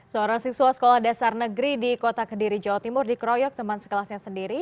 seorang siswa sekolah dasar negeri di kota kediri jawa timur dikeroyok teman sekelasnya sendiri